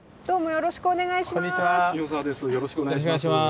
よろしくお願いします。